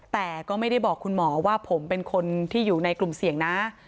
แต่ก็ไม่ได้บอกคุณหมอว่าผมเป็นคนที่อยู่ในกลุ่มเสี่ยงนะ